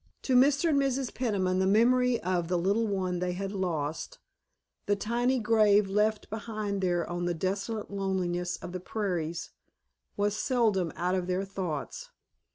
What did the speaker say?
To Mr. and Mrs. Peniman the memory of the little one they had lost, the tiny grave left behind there on the desolate loneliness of the prairies, was seldom out of their thoughts.